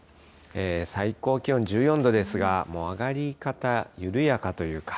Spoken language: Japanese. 最高気温１４度ですが、上がり方、緩やかというか。